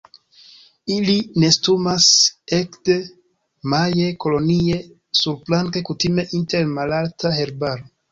Ili nestumas ekde maje kolonie surplanke, kutime inter malalta herbaro.